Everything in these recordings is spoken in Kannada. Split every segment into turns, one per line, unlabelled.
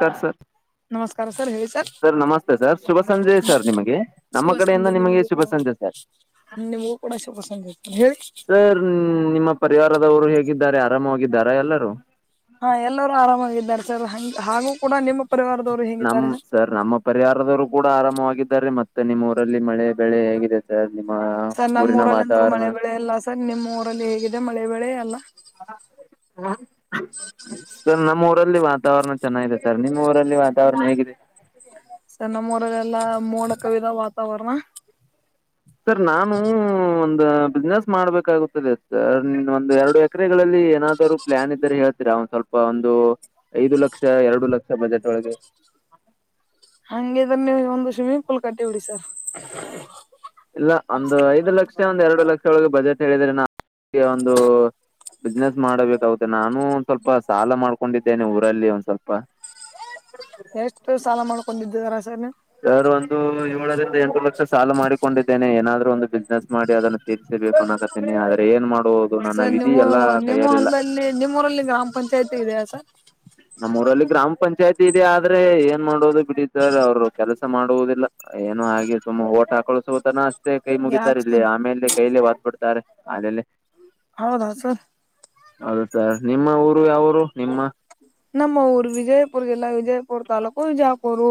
ಕಸ
ನಮಸ್ಕಾರ ಸರ್ ಹೇಳಿ
ಸರ್ ನಮಸ್ತೆ ಸರ್ ಶುಭ ಸಂಜೆ ಸರ್ ನಿಮಗೆ ನಮ್ಮ
ಶುಭ
ಕಡೆಯಿಂದ
ಸಂಜೆ
ನಿಮಗೆ
ನಿಮಗೂ
ಶುಭ
ಕೂಡ
ಸಂಜೆ ಸರ್.
ನಿಮಗೂ ಕೂಡಾ ಶುಭ ಸಂಜೆ ಹೇಳಿ
ಸರ್ ನಿಮ್ಮ ಪರಿವಾರದವ್ರು ಹೇಗಿದ್ದಾರೆ ಆರಾಮವಾಗಿದ್ದಾರ ಎಲ್ಲರುೂ
ಹಾ ಎಲ್ಲರೂ ಆರಾಮಾಗಿದ್ದಾರೆ ಸರ್ ಹ ಹಾಗೂ ಕೂಡ ನಿಮ ಪರಿವಾರ ದವರು
ನಮ ಸರ್ ನಮ್ಮ ಪರಿಹಾರದವರು ಕೂಡ ಆರಾಮವಾಗಿದ್ದಾರೆ ಮತ್ತೆ ನಿಮ್ಮ ಊರಲ್ಲಿ ಮಳೆ ಬೆಳೆ ಹೇಗಿದೆ. ಸರ್ ನಿಮ್ಮ
ಸರ್ ನಮ್ಮ
ಊರಿನ
ಊರಲ್ಲಿ ಅಂತೂ
ವಾತಾವರಣ
ಮಳೆ ಬೆಳೆ ಇಲ್ಲ ಸರ್ ನಿಮ್ಮ್ ಊರಲ್ಲಿ ಹೇಗಿದೆ ಮಳೆ ಬೆಳೆ ಎಲ್ಲಾ
ಹ್ [unintelligible] ಸರ್ ನಮ್ಮ್ ಊರಲ್ಲಿ ವಾತಾವರಣ ಚೆನ್ನಾಗಿದೆ ಸರ್ ನಿಮ್ಮ್ ಊರಲ್ಲಿ ವಾತಾವರಣ ಹೇಗಿದೆ.
ಸರ್ ನಮ್ಮೂರಲ್ಲಿ ಎಲ್ಲಾ ಮೋಡ ಕವಿದ ವಾತಾವರಣ
ಸರ್ ನಾನು ಒಂದು ಬಿಸ್ನೆಸ್ ಮಾಡ್ಬೇಕಾಗುತ್ತತ್ತದೆ ಸರ್ ಒಂದು ಎರಡು ಎಕರೆಗಳಲ್ಲಿ ಏನಾದರೂ ಪ್ಲಾನ್ ಇದ್ದರೆ ಹೇಳ್ತೀರಾ ಒಂದ ಸ್ವಲ್ಪ ಒಂದು ಐದು ಲಕ್ಷಾ ಎರಡು ಲಕ್ಷಾ ಬಜೆಟ್ ಒಳಗೆ.
ಹಂಗಗಿದ್ರೆ ನೀವು ಒಂದು ಸ್ವಿಮ್ಮಿಂಗ್ ಪೂಲ್ ಕೊಟ್ಟಿಬಿಡಿ ಸರ್
ಇಲ್ಲಾ ಒಂದು ಐದ್ ಲಕ್ಷಾ ಒಂದ ಎರಡು ಲಕ್ಷಾ ಒಳಗೆ ಬಜೆಟ್ ಹೇಳಿದರೇ ನಾ ನ್ ಒಂದು ಬಿಸ್ನೆಸ್ ಮಾಡಬೇಕಾಗುತ್ತೆ ನಾನು ಒಂದ ಸ್ವಲ್ಪ ಸಾಲ ಮಾಡ್ಕೊಂಡಿದ್ದೇನೆ ಊರಲ್ಲಿ ಒಂದ್ ಸ್ವಲ್ಪ.
ಎಷ್ಟು ಸಾಲ ಮಾಡ್ಕೊಂಡಿದ್ದಿರಾ ಸರ್
ಸರ್ ಒಂದು ಏಳರಿಂದ ಎಂಟು ಲಕ್ಷ ಸಾಲ ಮಾಡಿಕೊಂಡಿದ್ದೇನೆ ಏನಾದ್ರೂ ಒಂದು ಬಿಸ್ನೆಸ್ ಮಾಡಿ ಅದನ್ನು ತಿರಿಸ ಬೇಕು ಅನ್ನಾಕತೀನಿ ಆದ್ರೆ ಏನ್ ಮಾಡದ
ಸರ್ ನೀವು ನಿಮ್ಮ ಹೊಲ್ಲದಲ್ಲಿ ನಿಮ್ಮೂಊರಲ್ಲಿ ಗ್ರಾಮ ಪಂಚಾಯತಿ ಇದೆಯಾ ಸರ್
ನಮ್ಮೂಊರಲ್ಲಿ ಗ್ರಾಮ ಪಂಚಾಯ್ತಿ ಇದೆ ಆದ್ರೆ ಏನ್ ಮಾಡೋದು ಬಿಡಿ ಸರ್ ಅವರು ಕೆಲಸ ಮಾಡುವುದಿಲ್ಲ ಏನೋ ಹಾಗೆ ಸುಮ್ಮ ಓಟ್ ಹಾಕೊಳ್ಸ ತನ ಅಷ್ಟೇ ಕೈ
ಯಾಕೆ
ಮುಗಿತಾರ ಇಲ್ಲಿ
ಸರ್
ಆಮೇಲೆ ಕೈಲೆ ಹೊದ್ಬಿಡ್ತಾರೆ ಅೇಲೆ
ಹೌದಾ ಸರ್
ಹೌದು ಸರ್ ನಿಮ್ಮ ಊರು ಯಾವೂರು ನಿಮ್ಮ
ನಮ್ಮ ಊರ್ ವಿಜಯಪುರಜಿಲ್ಲಾ ವಿಜಯಪುರ್ ತಾಲೂಕು ವಿಜಾಪುರ್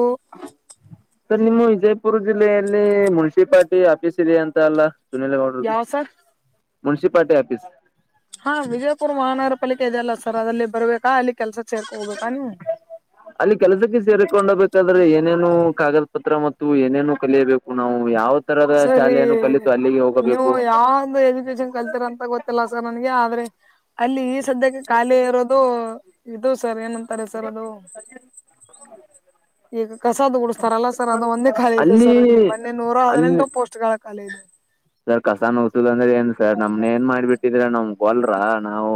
ಸರ್ ನಿಮ್ಮ ವಿಜಯಪುರ ಜಿಲ್ಲೆಯಲ್ಲಿ ಮುನ್ಸಿಪಲ್ಟಿ ಆಫೀಸ್ ಇದೆ ಅಂತ ಅಲ್ಲ ಸುನೀಲಗೌಡ್ರು
ಯಾವ ಸರ್
ಮುನ್ಸಿಪಾಲಿಟಿ ಆಫೀಸ್
ಹಾ ವಿಜಯಪುರ್ ಮಹಾನಗರ ಪಾಲಿಕೆ ಇದೆೆಯಲ್ಲ ಸರ್ ಅದಲ್ಲಿ ಬರ್ಬೇಕಾ ಅಲ್ಲಿ ಕೆಲ್ಸ ಸೇರ್ಕ ಬೇಕಾ ನೀವು
ಹ ಅಲ್ಲಿ ಕೆಲಸಕ್ಕೆ ಸೇರಿಕೊಂಡಬೇಕಾದ್ರೆ ಏನೇನು ಕಾಗದ ಪತ್ರ ಮತ್ತು ಏನೇನು ಕಲಿಯಬೇಕು ನಾವು ಯಾವತ್
ಸರಿ ನೀವು ಯಾವಂದ ಎಜುಕೇಶನ್ ಕಲ್ತರಂತ ಗೊತ್ತಿಲ್ಲ ಸರ್ ನನಗೆ ಆದ್ರೆ ಅಲ್ಲಿ ಈ ಸದ್ಯಕ್ಕೆ ಖಾಲಿ ಇರೋದು ಇದು ಸರ್ ಏನಂತ ಸರಿ ಸರ್ ಅದು ಈಗ ಕಸದ ಗುಡ್ಸ್ತಾರಲ್ಲ ಸರ್ ಅದು ಒಂದೇ ಖಾಲಿ ಇದೆ
ಅಲ್ಲಿ
ಸರ್ ಇಲ್ಲಿ ಮೊನ್ನೆ ನೂರ
ಅಲ್ಲಿ
ಹದಿನೆಂಟು ಪೋಸ್ಟ್ ಗಳ ಕಾಲ ಇದೆ
ಸರ್ ಕಸಾನ್ ಉಸೂಲ್ ಅಂದ್ರೆ ಏನ್ ಸರ್ ನಮ್ನ ಏನ್ ಮಾಡ್ಬಿಟ್ಟಿದ್ರ ನಮ್ಗ್ಗೊಲ್ರ ನಾವು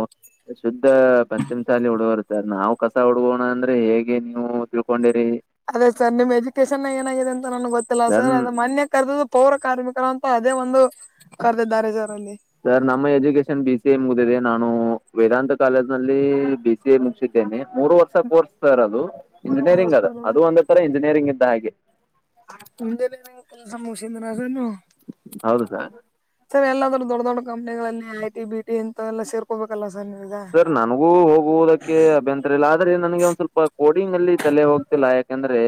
ಶುದ್ಧ ಪಂಚಮಸಾಲಿ ಹುಡುಗರು ನಾವು ಕಸ ಹುಡುಗೋಣ ಅಂದ್ರೆ ಹೇಗೆ ನೀವು ತಿಳ್ಕೊಂಡಿರಿ
ಅದೇ ಸರ್ ನಿಮ್ ಎಜುಕೇಶನ್ ಏನಾಗಿದೆ ಅಂತ ನನ್ಗೆ ಗೊತ್ತಿಲ್ಲ ಸರ್ ಅದು ಮೊನ್ನೆ ಕರೆದ ಪೌರ ಕಾರ್ಮಿಕರು ಅಂತ ಅದೇ ಒಂದು ಕರೆದಿದ್ದಾರೆ ಸರ್ ಅಲ್ಲಿ
ಸರ್ ನಮ್ಮ ಎಜುಕೇಶನ್ ಬಿ ಸಿ ಎ ಮುಗ್ದಿದೆ ನಾನು ವೇದಾಂತ ಕಾಲೇಜ್ ನಲ್ಲಿ ಬಿ ಬಿ ಎ ಮುಗಿಸಿದ್ದೇನೆ ಮೂರುವತ್ತು ಅದು ಹೊಸ ಕೋರ್ಸ್ ಸರ್ ಅದು
ಹೌದು
ಇಂಜಿನಿಯರಿಂಗ್ ಅದ
ಸರ್
ಅದು ಒಂದೇ ತರ ಇಂಜಿನಿಯರಿಂಗ್ ಇದ್ದ ಹಾಗೆ
ಮುಂಜೆನಿಂದ ಕೆಲಸ ಮುಗಿಸಿದೆನಂದು
ಹೌದು ಸಾರ್
ಸರ್ ಎಲ್ಲಾದರೂ ದೊಡ್ಡ ದೊಡ್ ಕಂಪನಿಗಳಲ್ಲಿ ಐಟ ಬಿಟಿ ಇಂತ ಎಲ್ಲ ಸೇರ್ ಹೋಗ ಬೇಕಲ್ಲ ಸರ್ ನೀವ ಈಗ
ಸರ್ ನನಗೂ ಹೋಗುವುದಕ್ಕೆ ಅಭ್ಯಂತರ ಆದ್ರೆ ನನಗೆ ಸ್ವಲ್ಪ ಕೋಡಿಂಗ್ ಅಲ್ಲಿ ತಲೆ ಹೋಗ್ತಿಲ್ಲ ಯಾಕೆಂದ್ರೆ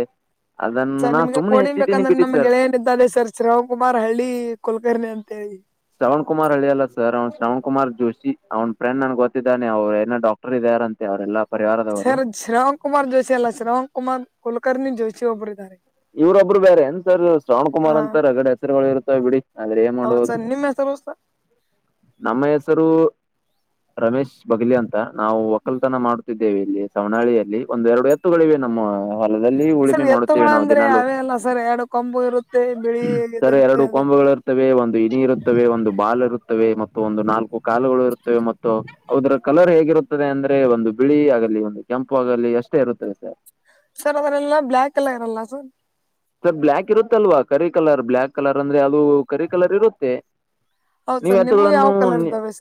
ಸರ್ ನಿಮ್ಗೆ ಕೋಡಿಂಗ್ ಬೇಕಂದ್ರೆ ನಮ್ಗೆ
ಸರ್
ಗೆಳೆಯೇನ ಇದ್ದನೆ ಸರ್ ಶ್ರಿವಕುಮಾರ್ ಹಳ್ಳಿ ಕುಲ್ಕರ್ಣಿ ಅಂತ ಹೇಳಿ
ಶ್ರವಣ ಕುಮಾರ್ ಹಳಿಯಲ್ಲ ಸರ್ ಅವ್ನು ಶ್ರವಣ ಕುಮಾರ್ ಜೋಶಿ ಅವ್ ಫ್ರೆಂಡ್ ನನ್ಗೆ ಗೊತ್ತಿದ್ದಾನೆ ಅವ್ರ ಏನ ಡಾಕ್ ಇದ್ದಾರ ಅಂತೆ ಅವ್ರೆಲ್ಲಾ ಪರಿವಾರದವರು
ಶ್ರಾವಣ ಕುಮಾರ್ ಜೋಶಿ ಅಲ್ಲ ಶ್ರಾವಣ್ ಕುಮಾರ್ ಕುಲಕರ್ಣಿ ಜೋಶಿ ಒಬ್ಬರು ಇದ್ದಾರೆ
ಇವ್ರೊಬ್ಬರು ಬೇರೆ ಎಂತರ್ ಶ್ರವಣ
ಹಾ
ಕುಮಾರ್ ಅಂತರ್ ಅಗಡೆ ಹೆಸರುಗಳು ಇರುತ್ತವೆ ಬಿಡಿ ಆದ್ರೆ ಏನ್ ಮಾಡ್ಬಹುದು
ಮ ಸಸ
ನಮ್ಮ ಹೆಸರು ರಮೇಶ್ ಬಗಲಿ ಅಂತ ನಾವು ಒಕ್ಕಲ್ತನ ಮಾಡ್ತಿದ್ದ ದೇವಿ ಇಲ್ಲಿ ಸವಣಾಳಿಯಲ್ಲಿ ಒಂದು ಎರಡು ಎತ್ತುಗಳಿವೆ ನಮ್ಮ ಹೊಲದಲ್ಲಿ
ಸರ್
ಉಳುಮೆ ಮಾಡುತ್ತೇವೆ ನಾವು
ಎತ್ತುಗಳಂದ್ರೆ
ದಿನಲ್ಲೂ
ಅವೇ ಅಲ್ಲ ಸರ್ ಎರಡು ಕೊಂಬು ಇರುತ್ತೆ ಬಿಳಿ
ಸರಿ
ಇದಿರುತ್ತೆ
ಎರಡು
ಅದೇ
ಕಂಬುಗಳು ಇ ಒಂದು ಇನಿ ಇರುತ್ತವೆ ಒಂದು ಬಾಲ್ ಇರುತ್ತವೆ ಮತ್ತು ಒಂದು ನಾಲ್ಕು ಕಾಲುಗಳು ಇರುತ್ತವೆ ಮತ್ತು ಹೌದ್ರ ಕಲರ್ ಹೇಗಿರುತ್ತದೆ ಅಂದ್ರೆ ಒಂದು ಬಿಳಿ ಆಗಲಿ ಒಂದು ಕೆಂಪು ಆಗಲಿ ಅಷ್ಟೇ ಇರುತ್ತದೆ ಸರ್
ಸರ್ ಅದ್ರೆಲ್ಲ ಬ್ಲ್ಯಾಕ್ ಕಲ್ಲರ್ ಇರಲ್ಲ ಸರ್
ಸರ್ ಬ್ಲ್ಯಾಕ್ ಇರುತ್ತಲ್ವಾ ಕರಿ ಕಲರ್ ಬ್ಲ್ಯಾಕ್ ಕಲರ್ ಅಂದ್ರೆ ಅದು ಕರಿ ಕಲರ್ ಇರುತ್ತೆ
ಹೌದ್
ನೀವು
ಸರ್ ನಿಮ್ಗೂ
ಎತ್ತುಗಳನ್ನು
ಯಾವ ಕಲರ್ ಇದ್ದಾವೆ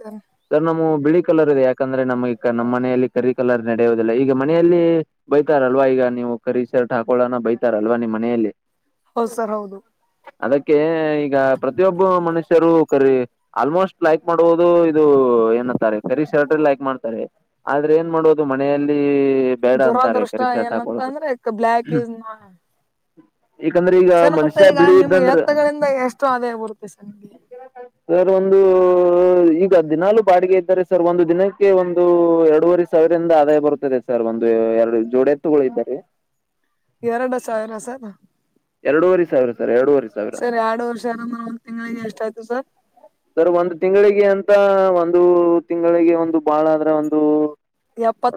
ಸರ್ ನಮ್ಮವು ಬಿಳಿ ಕಲರ್ ಇದೆ ಯಾಕಂದ್ರೆ ನಮ್ಗೆ ನಮ್ಮ ಮನೆಯಲ್ಲಿ ಕರಿ ಕಲರ್ ನಡೆಯುದಿಲ್ಲ ಈಗ ಮನೆಯಲ್ಲಿ ಬೈತಾರಲ್ವಾ ಈಗ ನೀವು ಕರೀಶರ್ಟ್ ಹಾಕೋಳನ ಬೈತಾರಲ್ವಾ ನಿಮ್ಮ ಮನೆಯಲ್ಲಿ
ಹೌದ ಸರ್ ಹೌದು
ಅದಕ್ಕೆ ಈಗ ಪ್ರತಿಯೊಬ್ಬ ಮನುಷ್ಯರು ಕರಿ ಆಲ್ಮೋಸ್ಟ್ ಲೈಕ್ ಮಾಡುವುದು ಇದು ಏನತ್ತಾರೆ ಕರೀ ಷರ್ಟು ಲೈಕ್ ಮಾಡ್ತಾರೆ ಆದ್ರೆ ಏನ್ ಮಾಡೋದು ಮನೆಯಲ್ಲಿ ಬೇಡ ಅಂತಾರೆ
ದುರಾದೃಷ್ಟ
ಕರಿ ಶರ್ಟ್
ಏನಂತ
ಹಾಕೊಳ್ಳೋದು
ಅಂದ್ರೆ ಬ್ಲ್ಯಾಕ್ ಇಸ್
ಯಾಕಂದ್ರೆ ಈಗ
ಸರ್ ಮತ್ತೆ
ಮನುಷ್ಯ
ಈಗ
ಬಿಳಿ
ನಿಮ್
ಇದ್ದಂದ್ರ
ಎತ್ತಗಳಿಂದ ಎಷ್ಟು ಆದಾಯ ಬರುತ್ತೆ ಸರ್ ನಮಗೆ
[unintelligible] ಸರ್ ಒಂದು ಈಗ ದಿನಲು ಬಾಡಿಗೆ ಇದ್ದಾರೆ ಸರ್ ಒಂದು ದಿನಕ್ಕೆ ಒಂದು ಎರಡುವರೆ ಸಾವಿರಂದ ಆದಾಯ ಬರುತ್ತದೆ ಸರ್ ಒಂದು ಎರಡು ಜೋಡೆತ್ತುಗಳು ಇದ್ದಾರೆ
ಎರಡು ಸಾವಿರ ಸರ್
ಎರಡುವರೆ ಸಾವಿರ ಸರ್ ಎರಡವರೆ
ಸರ್ ಎರಡು ವರ್ಷ ಅಂದ್ರ ತಿಂಗಳ ಎಷ್ಟ ಆಯ್ತು ಸರ್
ಸರ್ ಒಂದು ತಿಂಗಳಿಗೆ ಅಂತ ಒಂದು ತಿಂಗಳಿಗೆ ಒಂದು ಬಾಳ ಆದ್ರೆ ಒಂದು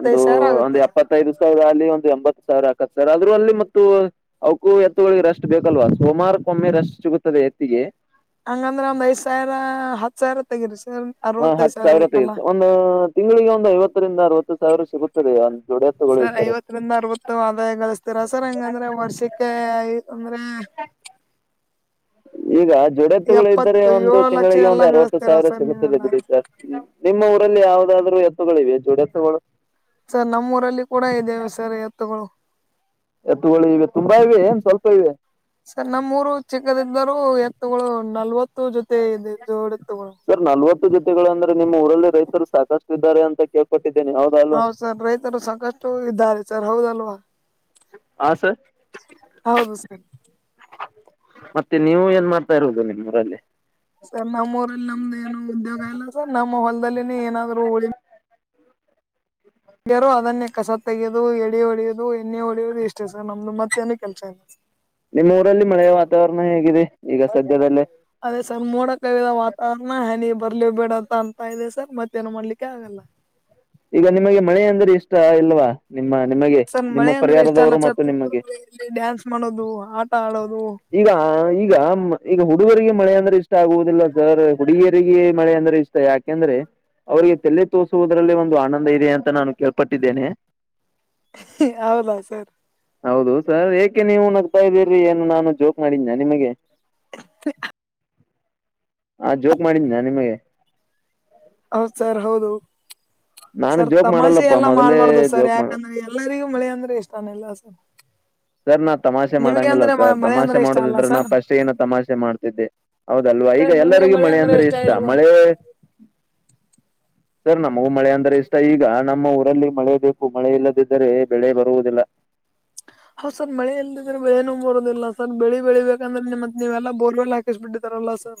ಒಂದು
ಸಾವಿರ
ಒಂದು
ಆಗುತ್ತೆ ಸರ್
ಎಪ್ಪತ್ತು ಇತ್ತೈದು ಸಾವಿರ ಅಲ್ಲಿ ಒಂದು ಎಂಬತ್ತು ಸಾವಿರ ಹಾಕತ್ ಸರ್ ಅಂದ್ರು ಅಲ್ಲಿ ಮತ್ತು ಅಕು ಹಗಳಿಗೆ ಅಷ್ಟು ಬೇಕಲ್ವಾ ಸೋಮಾರಕ್ಕೊಮ್ಮೆ ರಷ್ಟು ಸಿಗುತ್ತದೆ ಎತ್ತಿಗೆ
ಹಂಗಂದ್ರೆ ಒಂದ್ ಐದು ಸಾವಿರ ಹತ್ ಸಾವಿರ ತೆಗಿರಿ ಸ
ಹ
ಅರವತ್ತೈದ
ಹತ್ತು
ಸಾವಿರ ಉಳಿತಲ್ಲಾ
ತೆಗೆದು ತಿಂಗಳಿಗೆ ಒಂದು ಐವತ್ತರಿಂದ ಅರವತ್ತು ಸಾವಿರ ಸಿಗುತ್ತದೆ ಜೋಡೆತ್ತುಗಳು
ಸರ್
ಇದ್ದಾರೆ
ಐವತ್ತರಿಂದ ಅರವತ್ತು ಅದಾಯ ಗಳಿಸ್ತೀರ ಸರ್ ಹಂಗಂದ್ರೆ ವರ್ಷಕ್ಕೆ ಅಂದ್ರೆ
ಈಗ ಜುಡೆತ್ತುಗಳ ಇದರೆ
ಎಪ್ಪತ್ತು ಏಳು
ಒಂದು
ಲಕ್ಷ
ತಿಂಗಳಿಗೆ
ಎಲ್ಲಾ
ಒಂದು ಅರವತ್ತು
ಗಳಿಸ್ತೀರಾ
ಸಾವಿರ
ಸರ್
ಸಿಗುತ್ತದೆ
ನೀವೆಲ್ಲಾ
ಬಿಡಿ ಸರ್ ನಿಮ್ಮ ಊರಲ್ಲಿ ಯಾವುದಾದರೂ ಎತ್ತುಗಳಿವೆ ಜೋಡ ಎತ್ತುಗಳು
ಸರ್ ನಮ್ಮೂಊರಲ್ಲಿ ಕೂಡ ಇದ್ದೇವೆ ಸರ್ ಎತ್ತುಗಳು
ಎತ್ತುಗಳು ಇವೆ ತುಂಬಾ ಇವೆ ಏನ್ ಸ್ವಲ್ಪ ಇವೆ
ಸರ್ ನಮ್ಮೂರು ಚಿಕ್ಕದ ಇದಿದ್ದವರು ಎತ್ತಗಳು ನಲ್ವತ್ತು ಜೊತೆ ಇದ ಜೋಡತ್ತುಗಳು
ಸರ್ ನಲ್ವತ್ತು ಜೊತೆಗಳ ಅಂದ್ರೆ ನಿಮ್ಮ ಊರಲ್ಲಿ ರೈತರು ಸಾಕಷ್ಟು ಇದ್ದಾರೆ ಅಂತ ಕೇಳ್ಕೊಟ್ಟಿದ್ದೇನೆ
ಹೌದು ಸರ್ ರೈತರು ಸಾಕಷ್ಟು ಇದ್ದಾರೆ ಸರ್ ಹೌದಲ್ವಾ
ಹಾ ಸರ್
ಹೌದು ಸರ್
ಮತ್ತೆ ನೀವು ಏನ್ ಮಾಡ್ತಾ ಇರ್ವುದು ನಿಮ್ಮ್ ಊರಲ್ಲಿ
ಸರ್ ನಮ್ಮ್ ಊರಲ್ಲಿ ನಮ್ದ ಏನು ಉದ್ಯೋಗ ಇಲ್ಲ ಸರ್ ನಮ್ಮ್ ಹೊಲ್ದಲ್ಲಿನ ಏನಾದ್ರು ಉಳ ಹ್ಯಾರೋ ಅದನ್ನೇ ಕಸ ತೆೆಗೆಯೋದು ಎಳೆ ಹೊಳಿಯೋದು ಎಣ್ಣೆ ಹೊಡೆಯೋದು ಇಷ್ಟೇ ಸರ್ ನಮ್ದು ಮತ್ತೇಏನು ಕೆಲಸ ಇಲ್ಲ
ನಿಮ್ಮ್ ಊರಲ್ಲಿ ಮಳೆಯ ವಾತಾವರಣ ಹೇಗಿದೆ ಈಗ ಸದ್ಯದಲ್ಲೇ
ಅದೇ ಸರ್ ಮೋಡ ಕವಿದ ವಾತಾವರಣ ಹನಿ ಬರ್ಲಿ ಬೇಡಂತ ಅಂತ ಇದೆ ಸರ್ ಮತ್ತೇಏನು ಮಾಡ್ಲಿಕ್ಕೆ ಆಗಲ್ಲ
ಈಗ ನಿಮಗೆ ಮಳೆ ಅಂದ್ರೆ ಇಷ್ಟ ಇಲ್ವಾ ನಿಮ್ಮ ನಿಮಗೆ
ಸರ್
ನಿಮ್ಮ
ಮಳೆ ಅಂದ್ರೆ ಇಷ್ಟ ಅಲ್ಲ
ಪರಿಹಾರದವರು
ಸರ್
ಮತ್ತು ನಿಮಗೆ
ಇಲ್ಲಿ ಡ್ಯಾನ್ಸ್ ಮಾಡೋದು ಆಟ ಆಡೋದು
ಈಗ ಈಗ ಈಗ ಹುಡುಗರಿಗೆ ಮಳೆ ಅಂದ್ರೆ ಇಷ್ಟ ಆಗುವುದಿಲ್ಲ ಸರ್ ಹುಡುಗಿಯರಿಗೆ ಮಳೆ ಅಂದ್ರೆ ಇಷ್ಟ ಯಾಕೆಂದ್ರೆ ಅವ್ರಿಗೆ ತಲೆ ತೋಸುವುದ್ರಲ್ಲಿ ಒ ಒಂದು ಆನಂದ ಇದೆ ಅಂತ ನಾನು ಕೇಳ್ಪಟ್ಟಿದ್ದೇನೆ
ಹೌದಾ ಸರ್
ಹೌದು ಸರ್ ಏಕೆ ನೀವು ನಗ್ತಾ ಇದ್ದೀರ್ರರಿ ಏನು ನಾನು ಜೋಕ್ ಮಾಡನ್ಯ ನಿಮಗೆ
[unintelligible]
ಹಾ ಜೋಕ್ ಮಾಡಿದ್ದಿನಿ ನಾ ನಿಮಗೆ
ಹೌದ ಸರ್ ಹೌದು
ನಾನು
ಸರ್
ಜೋಕ್
ತಮಾಷೆ
ಮಾಡಲ್ಲಪ್ಪ
ಎಲ್ಲ
ಮೊದಲೇ
ಮಾಡ್ಬಾರ್ದು ಸರ್
ಜೋಕ್ ಮಾಡ
ಯಾಕಂದ್ರೆ ಎಲ್ಲರಿಗೂ ಮಳೆ ಅಂದ್ರೆ ಇಷ್ಟಾನ ಎಲ್ಲ ಸರ್
ಸರ್ ನಾ ತಮಾಷೆ
ನಿಮಗೆ
ಮಾಡಂಗಿಲ್ಲ
ಅಂದ್ರೆ
ಸರ್
ಮ- ಮಳೆ
ತಮಾಷೆ
ಅಂದ್ರೆ ಇಷ್ಟ ಅಲ್ಲ
ಮಾಡೋದಿದ್ರೆ ನಾ
ಸರ್
ಫಸ್ಟ್ ಏನ ತಮಾಷೆ ಮಾಡ್ತಿದ್ದೆ ಹೌದಲ್ವಾ ಈಗ ಎಲ್ಲರಿಗೂ ಮಳೆ ಅಂದ್ರೆ ಇಷ್ಟ ಮಳೆ ಸರ್ ನಮಗೂ ಮಳೆ ಅಂದ್ರೆ ಇಷ್ಟ ಈಗ ನಮ್ಮ ಊರಲ್ಲಿ ಮಳೆ ಬೇಕು ಮಳೆ ಇಲ್ಲದಿದ್ದರೆ ಬೆಳೆ ಬರುವುದಿಲ್ಲ.
ಹ ಸರ್ ಮಳೆ ಎಲ್ಲದಿದ್ರೆ ಬೆಳೆನೂ ಬರೋದಿಲ್ಲ ಸರ್ ಬೆಳಿ ಬೆಳಿಬೇಕಂದ್ರೆ ನಿಮ್ಮತ್ ನೀವೆಲ್ಲ ಬೋರ್ವೆಲ್ ಹಾಕಿಸ್ಬ ಬಿಟ್ಟಿದಾರಲ್ಲ ಸರ್.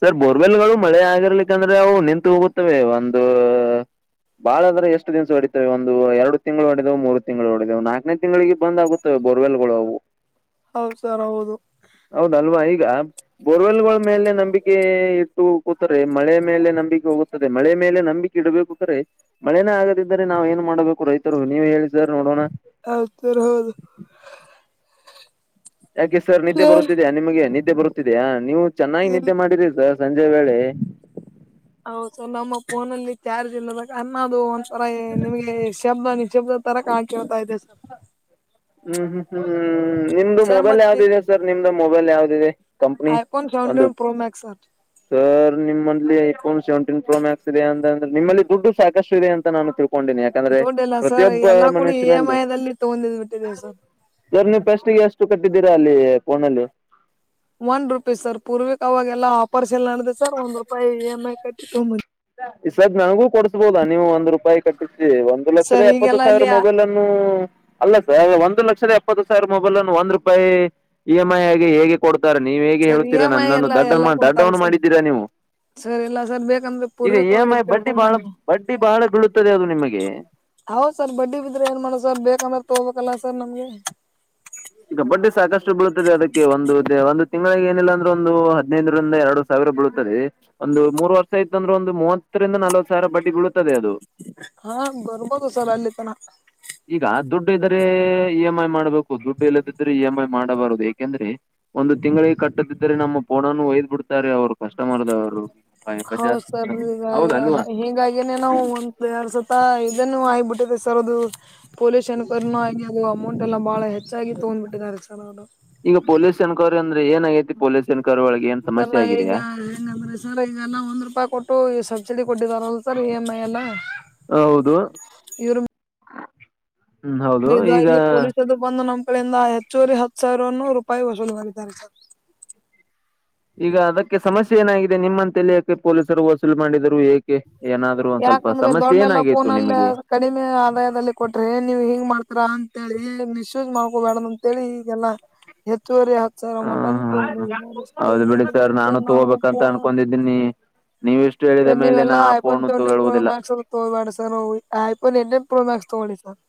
ಸರ್ ಬೋರ್ವೆಲ್ ಗಳು ಮಳೆ ಆಗಿರ್ಲಿಕ್ಕಂದ್ರೆ ಅವು ನಿಂತು ಹೋಗುತ್ತವೆ ಒಂದು ಬಾಳದ್ರ ಎಷ್ಟ ದಿವಸ ಹೊಡಿತವೆ ಒಂದು ಎರಡು ತಿಂಗಳು ಹೊಡೆದವು ಮೂರು ತಿಂಗಳು ಹೊಡೆದವು ನಾಲ್ಕನೇ ತಿಂಗಳಿಗೆ ಬಂದ ಆಗುತ್ತೆ. ಮತ್ತ ಬೋರ್ವೆಲ್ಗಳುವು.
ಹೌದ್ ಸರ್ ಹೌದು.
ಹೌದಲ್ವಾ ಈಗ ಬೋರ್ವೆಲ್ಗಳ ಮೇಲೆ ನಂಬಿಕೆ ಇಟ್ಟು ಕೂತರೆ ಮಳೆ ಮೇಲೆ ನಂಬಿಕೆ ಹೋಗ ತದೆ ಮಳೆ ಮೇಲೆ ನಂಬಿಕೆ ಇಡಬೇಕು [unintelligible] ಮಳೆನೇ ಆಗದಿದ್ದರೆ ನಾವ್ ಏನ್ ಮಾಡ್ಬೇಕು ರೈತರು ನೀವ್ ಹೇಳಿ ಸರ್ ನೋಡೋಣ.
[unintelligible] [unintelligible]
ಯಾಕೆ ಸರ್ ನಿದ್ದೆ ಬರುತ್ತಿದ್ಯಾ ನಿಮಗೆ ನಿದ್ದೆ ಬರುತ್ತಿದಯಾ ನೀವು ಚೆನ್ನಾಗಿ
ಇಲ್
ನಿದ್ದೆ ಮಾಡಿರಿ ಸರ್. ಸಂಜೆ ವೇಳೆ
ಹೌದು ನಮ್ಮ ಫೋನಲ್ಲಿ ಚಾರ್ಜ್ ಇಲ್ಲದಾಗ ಅನ್ನದು ಒಂಥರ ನಿಮ್ಗೆ ಶಬ್ದ ನಿಶಬ್ದ ತರ ಕಾಣ್ಕೇಳ್ತಾ ಇದೆ ಸರ್.
ಹ್ಮ್ ಹ್ಮ್ ಹ್ಮ್ ನಿಮ್ದು
ಸರ್
ಮೊಬೈಲ್ ಯಾವ್ದ
ಮತ್ತೆ
ಇದೆ ಸರ್ ನಿಮ್ದು ಮೊಬೈಲ್ ಯಾವ್ದಿದೆ? ಕಂಪನಿ
ಐಫೋನ್
ಒಂದು
ಸೆವೆಂಟೀನ್ ಪ್ರೋ ಮ್ಯಾಕ್ಸ್ ಸರ್
ಸ ನಿಮ್ಮಲ್ಲಿ ಐಫೋನ್ ಸೆವೆಂಟೀನ್ ಪ್ರೋ ಮ್ಯಾಕ್ಸ್ ಇದೆ ಅಂತಂದ್ರೆ ನಿಮ್ಮಲ್ಲಿ ದುಡ್ಡು ಸಾಕಷ್ಟು ಇದೆ ಅಂತ ನಾನು ತಿಳ್ಕೊಂಡನಿ.
ತೊಂಡಿಲ್ಲ ಸರ್ ಎಲ್ಲಾ ಕೂಡ ಇ ಎಮ್ ಐ ದಲ್ಲಿ ತಗೊಂಡಿದ್ ಬಿಟ್ಟಿದೇವಿ ಸರ್.
ಸರ್ ನೀವು ಪೆಸ್ಟ್ಗೆ ಎಷ್ಟು ಕಟ್ಟಿದ್ದೀರಾ ಅಲ್ಲಿ ಫೋನಲ್ಲಿ?
ಒಂದ್ ರೂಪಾಯಿ ಸರ್ ಪೂರ್ವಿಕ್ ಅವಾಗೆಲ್ಲ ಆಫರ್ಸ್ಎಲ್ಲಾ ನೆಡದೆಲ್ಲಾ ಸರ್ ಒಂದ್ ರೂಪಾಯಿ ಇ ಎಮ್ ಐ ಕಟ್ಟಿ ತಗೊಂಡ
ಇಸತಿ ನನಗೂ ಕೊಡ್ಸ್ಬೋದಾ ನೀವು ಒಂದ್ ರೂಪಾಯಿ ಕಟ್ಟಿಸಿ ಒಂದು ಲಕ್ಷದ
ಸರ್
ಎಪ್ಪತ್ತು
ಈಗೆಲ್ಲಾ
ಸಾವಿರ
ಅಲ್ಲಿ
ಮೊಬೈಲ್ ಅನ್ನು ಅಲ್ಲ ಸರ್ ಒಂದು ಲಕ್ಷದ ಎಪ್ಪತ್ತು ಸಾವಿರ ಮೊಬೈಲ್ ಅನ್ನು ಒಂದ್ ರೂಪಾಯಿ ಇ ಎಮ್ ಐ ಆಗಿ ಹೇಗೆ ಕೊಡ್ತಾರೆ ನೀವು ಹೇಗೆ
ಸರ್ ಇ
ಹೇಳ್ತೀರಾ
ಎಂ ಐ
ನಾನನ್ನು
ಎಲ್ಲ ಎಲ್ಲಾ
ದಡ್ಡ-
ಕೊಡ್ತಾರೆ
ದಡ್ಡವನ್ನು
ಸರ್
ಮಾಡಿದ್ದೀರಾ ನೀವು.
ಸರ್ ಇಲ್ಲ ಸರ್ ಬೇಕಂದ್ರೆ
ಈಗ
ಪೂರ್ವಿಕ್
ಇ ಎಮ್
ಅವ್ರಿಗೆ
ಐ ಬಡ್ಡಿ
ಕೇಳ್ಕೊಂಡ್
ಬಹಳ
ಬನ್ನಿ
ಬಡ್ಡಿ ಬಹಳ ಬೀಳುತ್ತದೆ ಅದು ನಿಮಗೆ.
ಹೌದ ಸರ್ ಬಡ್ಡಿ ಬಿದ್ರೆ ಏನ್ ಮಾಡದ್ ಸರ್ ಬೇಕಂದ್ರೆ ತಗೋಬೇಕಲ್ಲ ಸರ್ ನಮ್ಗೆ.
ಕಬಡ್ಡಿ ಸಾಕಷ್ಟು ಬೀಳತದೆ ಅದಕ್ಕೆ ಒಂದು ಒಂದು ತಿಂಗಳಿಗೆ ಏನಿಲ್ಲ ಅಂದ್ರೆ ಒಂದು ಹದಿನ್ಯೆದರಿಂದ ಎರಡು ಸಾವಿರ ಬೀಳುತ್ತದೆ ಒಂದು ಮೂರು ವರ್ಷ ಇತ್ತು ಅಂದ್ರೆ ಒಂದು ಮೂವತ್ತರಿಂದ ನಲ್ವತ್ ಸಾವಿರ ಬಟ್ಟಿ ಬಳುತ್ತ
ಹಾ ಬರ್ಬೋದು ಸರ್ ಅಲ್ಲಿ ತನ.
ಈಗ ದುಡ್ಡು ಇದ್ದರೆ ಇ ಎಮ್ ಐ ಮಾಡ್ಬೇಕು ದುಡ್ಡು ಇಲ್ಲದಿದ್ರೆ ಇ ಎಂ ಐ ಮಾಡಬಾರದು ಯಾಕೆಂದ್ರೆ ಒಂದು ತಿಂಗಳಿಗೆ ಕಟ್ಟದಿದ್ದ್ರೆ ನಮ್ಮ ಪೋನನು ಒಯ್ದ್ ಬಿಡ್ತಾರೆ ಅವ್ರು ಕಸ್ಟಮರ್ದವರು.
ಹೌದ
ಬಜಾಜ್
ಸರ್
ಹೌದ
ಈಗ
ಅಲ್ವಾ
ಹಿಂಗಾಗಿನೆೇ ನಾವು ಒದ್ ಯಾರ ಸತ್ತ ಇದೇನ್ನು ಆಗಿಬಿಟ್ಟಿದೆ ಸರ್ ಅದು ಪೊಲೀಸ್ ಎನ್ಕ್ವೈರಿನಂಬರ್ ಆಗಿ ಅದು ಅಮೌಂಟ್ ಎಲ್ಲ ಬಹಳ ಹೆಚ್ಚಾಗಿ ತಗೋಬಿಟ್ಟಿದ್ದಾರೆ ಸರ್ ಅವರು.
ಈಗ ಪೊಲೀಸ್ ಎನ್ಕ್ವೈರಿ ಅಂದ್ರೆ ಏನಾಗೈತಿ ಪೊಲೀಸ್ ಎನ್ಕ್ವೈರಿ ಒಳಗೆ.
ಸರ್
ಸಮಸ್ಯೆ
[unintelligible] ಈಗ
ಆಗಿದೆಯಾ
ಎನ್ ಅಂದ್ರೆ ಸರ್ ಈಗಲ್ಲ ಒಂದ್ ರೂಪಾಯಿ ಕೊಟ್ಟು ಈ ಸಬ್ಸಿಡಿ ಕೊಟ್ಟಿದಾರಲ್ಲ ಸರ್ ಇ ಎಮ್ ಐ ಎಲ್ಲ
ಹೌದು
ಇವ್ರ
ಹ್ಮ್ ಹೌದು ಈಗ
ಇದಾಗಿ ಪೊಲೀಸದು ಬಂದು ನಮ್ ಕಡೆ ಹೆಚ್ಚುವರಿ ಹತ್ತು ಸಾವಿರೂನು ರೂಪಾಯಿ ವಸೂಲು ಮಾಡಿದ್ದಾರೆ ಸರ್.
ಈಗ ಅದಕ್ಕೆ ಸಮಸ್ಯೆ ಏನಾಗಿದೆ ನಿಮ್ಮಂತಳಿಯಕೆ ಪೊಲೀಸರು ವಸೂಲಿ ಮಾಡಿದರು ಏಕೆ ಏನಾದ ಒಂದ್ ಸ್ವಲ್ಪ
ಯಾಕಂದ್ರೆ
ಸಮಸ್ಯೆ ಏನ
ದೊಡ್ಡೆಲ್ಲಾ
ಆಗಿತ್ತು
ಫೋನಲ್ಲಿ
ನಿಮಗೆ?
ಕಡಿಮೆ ಆದಾಯದಲ್ಲಿ ಕೊಟ್ರೆ ನೀವ್ ಹಿಂಗ್ ಮಾಡ್ತರಾ ಅಂತೇಳಿ ಮಿಸ್ಯೂಸ್ ಮಾಡ್ಕೋಬೇಡ ತ್ತೇಳಿ ಈಗೇಲ್ಲಾ ಹೆಚ್ಚುವರಿ ಹತ್ತು ಸರ
ಹ
ಮಟ ತಗೊಂಡೋಗ
ಹ
ನೋ ಏನ್ ಮಾಡ್ಬೋ ಸ ನಾವು ಪೋರ [unintelligible]
ಇದನ್ನಿ ನೀವುಷ್ಟು ಹೇಳಿದ ಮೇಲೆ ನಾ ಆಪೋಣ ತಗಗುದಿಲ್ಲ [unintelligible]
ತೋಗಿ ಸರ್ವು ಐಫೋನ್ ನಿನ್ನೇ ಪ್ರೋಮ್ಯಾಕ್ಸ್ ತೋಗಿ ಸರ್ [unintelligible]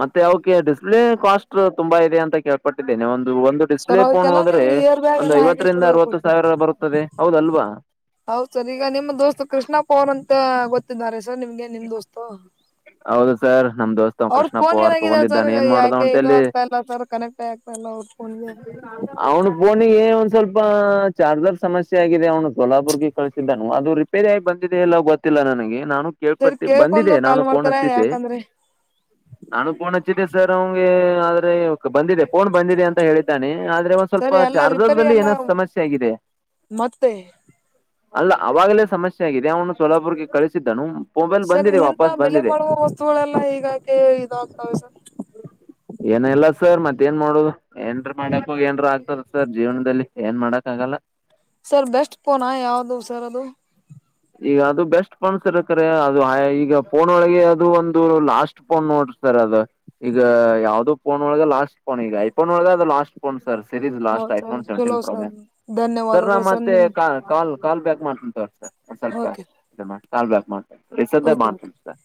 ಮತ್ತೆ ಔಕೆ ಡಿಸ್ಪ್ಲೇ ಕಾಸ್ಟ್ ತುಂಬಾ ಇದೆ ಅಂತ ಕೇಳ್ಪೊಟ್ಟಿದ್ದೇನೆ ಒಂದು ಒಂದು
ಸರ್
ಡಿಸ್ಪ್ಲೇ ಫೋನ್
ಅವಕ್ಕೆಲ್ಲಾ
ಹೋದ್ರೆ
ನೀವು ಇಯರ್ ಬ್ಯಾಗ್
ಒಂದು
ಎಲ್ಲಾ
ಐವತ್ತರಿಂದ
ಹಾಕಿಸ್ಬಿಡ್ಬೇಕು
ಅರವತ್ತು
ಸರ್
ಸಾವಿರ ಬರುತ್ತದೆ ಹೌದಲ್ವಾ
ಹೌದ್ ಸರ್ ಈಗ ನಿಮ್ ದೋಸ್ತತ್ ಕೃಷ್ಣ ಪ ಅವನ್ ಅಂತ ಗೊತ್ತಿದ್ದಾರೆ ಸರ್ ನಿಮ್ಗೆ ನಿಮ್ ದೋಸ್ತು
ಹೌದು ಸರ್ ನಮ್ ದೋಸ್ತ ಅವ್
ಅವ್ರ
ಕೃಷ್ಣಪ್ಪ
ಫೋನ್
ಅವಾರ್
ಏನಾಗಿದೆ ಸರ್
ತಗೊಂಡಿದ್ದಾನ ಏನ್ ಮಾಡುದ್
ಯಾಕೆ
ಅಂತ
ಇದು
ಹೇಳಲ್ಲಿ
ಆಗ್ತಾ ಇಲ್ಲ ಸರ ಕನೆಕ್ಟ್ ಆಗ್ತಾ ಇಲ್ಲ ಅವರ ಫೋನ್ ಗೆ
ಅವ್ನು ಫೋನಿಗೆ ಒಂದ್ ಸ್ವಲ್ಪ ಚಾರ್ಜರ್ ಸಮಸ್ಯೆ ಆಗಿದೆ ಅವ್ನು ಗಲಾಬುರ್ಗೆ ಕಳ್ಸಿದ್ದಾನು ಅದು ಬೇರೆ ಆ ಬಂದಿದೆ ಎಲ್ಲ ಗೊತ್ತಿಲ್ಲ ನನಗೆ ನಾನು
ಸರಿ
ಕೇಳ್ಪಟ್ಟ
ಕೇಳ್ಕೊಂಡು
ಬಂದಿದೆೆ ನಾನು
ಕಾಲ್
ಫೋನ್
ಮಾಡ್ತಾರ
ಹಚ್ಚಿದ್ದೆ
ಯಾಕಂದ್ರೆ
ನಾನು ಫೋನ್ ಹಚ್ಚಿದ್ದೆ ಸರ್ ಅವಗೆ ಆದ್ರೆ ಬಂದಿದೆ ಫೋನ್ ಬಂದಿದೆ ಅಂತ ಹೇಳಿ ೆ [unintelligible] ಆದ್ರೆ ಒಂದ್ ಸ್ವಲ್ಪ
ಸರಿ ಎಲ್ಲಾ
ಚಾರ್ಜಸ್
ರಿಪೇರಿ
ಬಲ್ಲಿ
ಎಲ್ಲಾ
ಏನಾದ ಸಮಸ್ಯೆ ಆಗಿದೆ
ಮತ್ತೆ
ಅಲ್ಲ ಅವಾಗಲೇ ಸಮಸ್ಯೆ ಆಗಿದೆ ಅವನು ಸೋಲಾಪುರ್ಗೆ ಕಳಿಸಿದ್ದನು ಮೊಬೈಲ್
ಸರ್
ಬಂದಿದೆ
ಎಂತ
ವಾಪಸ್
ಬೆಲೆ
ಬಂದಿದೆ
ಬಾಳುವ ವಸ್ತುಗಳೆಲ್ಲ ಈಗಕ ಇದಾಗ್ತವೆ ಸರ್
ಏನಲ್ಲ ಸರ್ ಮತ್ತೇನ್ ಮಾಡೋದು ಏನ್ರ ಮಾಡಕ್ ಹೋಗ ಏನ್ರು ಆಗ್ತದ ಸರ್ ಜೀವನದಲ್ಲಿ ಏನ್ ಮಾಡಕ್ ಆಗಲ್ಲ
ಸರ್ ಬೆಸ್ಟ್ ಫೋನಾ ಯಾವ್ದ ಸರ್ ಅದು
ಈಗ ಅದು ಬೆಸ್ಟ್ ಫೋನ್ಸ್ ಇರ್ಕ್ರ ಅದು ಈಗ ಫೋನ್ ಒಳಗೆ ಅದು ಒಂದು ಲಾಸ್ಟ್ [unintelligible] ಫೋನ್ ನೋಡ್ರ ಸರ್ ಅದು ಈಗ ಯಾವವು ಫೋನ್ ಒಳಗ ಲಾಸ್ಟ್ ಫೋನ್ ಈಗ ಐಫೋ ಒಳಗೆ ಅದು last phone sir series last
ಹೌದು ಸರ್
ಐಫೋನ್ ಸೆವೆಂಟೀನ್
ಚಲೋ ಸರ್
ಪ್ರೊಮ್ಯಾಕ್ಸ್ ಸರ್ ನ
ಧನ್ಯವಾದಗಳು
ಮತ್ತೆ
ನಿಮ್
ಕಾಲ್ [unintelligible] ಕಾಲ್ ಬ್ಯಾಕ್ ಮಾಡ್ಕಂತ್ರ ಸರ್ ಒಂದ
ಓಕೆ
ಸ್ವಲ್ಪಾಲ್ ಬ್ಯಾಕ್ ಮಾಡ್ ರಿಸರ್ [unintelligible]
ಓಕೆ ಓಕೆ
ಮಾಡ್ತಂ ಸರ್